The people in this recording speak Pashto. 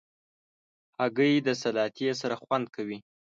هګۍ د سلاتې سره خوند کوي.